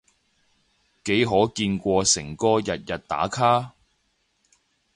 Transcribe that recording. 幾可見過誠哥日日打卡？